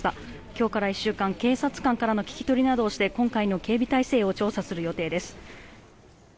今日から１週間警察官からの聞き取りなどをして今回の警備態勢を調査する予定です。